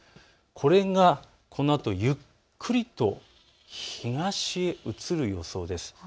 これがこのあとゆっくりと東へ移る予想です。